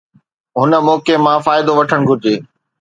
هن موقعي مان فائدو وٺڻ گهرجي.